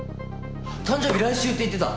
誕生日来週って言ってた。